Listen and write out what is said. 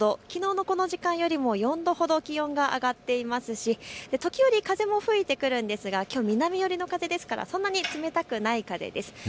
きのうのこの時間よりも４度ほど気温が上がっていますし時折、風も吹いてくるんですがきょう南寄りの風ですからそんなに冷たくない風です。